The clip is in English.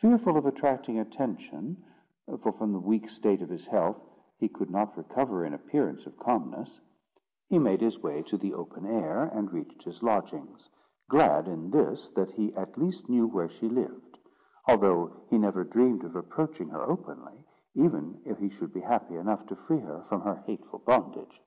Fearful of attracting attention, for, from the weak state of his health, he could not recover an appearance of calmness, he made his way to the open air, and reached his lodgings; glad in this, that he at least knew where she lived, although he never dreamed of approaching her openly, even if he should be happy enough to free her from her hateful bondage.